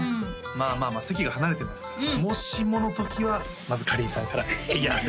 まあまあまあ席が離れてますからもしもの時はまずかりんさんから私から？